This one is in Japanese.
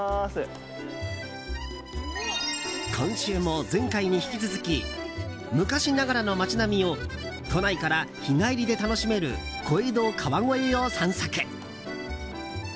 今週も前回に引き続き昔ながらの街並みを都内から日帰りで楽しめる小江戸・川越を散策。